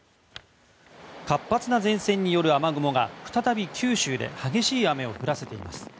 活発な前線による雨雲が再び九州で激しい雨を降らせています。